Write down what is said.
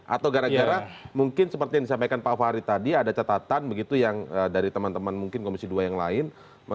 atau gara gara mungkin seperti yang disampaikan pak fahri tadi ada catatan begitu yang dari teman teman mungkin komisi dua yang lain